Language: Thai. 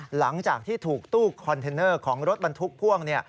หลังจากที่ถูกตู้คอนเทนเนอร์ของรถบรรทุกพ่วง